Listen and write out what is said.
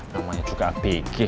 namanya juga abegih